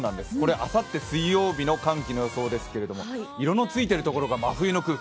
あさって水曜日の寒気の予想ですけれども、色のついているところが真冬の空気。